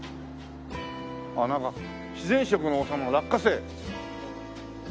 なんか「自然食の王様落花生」。